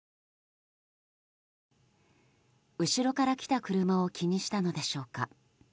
後ろから来た車を気にしたのでしょうか。